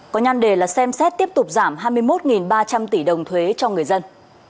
có nhan đề là xem xét tiếp tục giảm hai mươi một ba trăm linh tỷ đồng thuế cho người dân